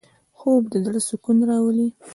خوب د زړه سکون راولي